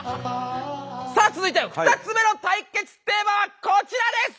さあ続いては２つ目の対決テーマはこちらです！